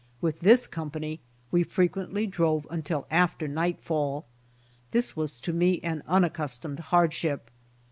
With this company, we frequently drove until after nightfall. This was to me an unaccustomed hardship.